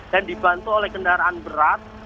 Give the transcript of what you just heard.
dan dibantu oleh kendaraan berat